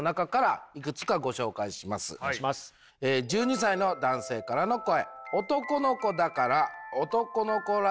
１２歳の男性からの声。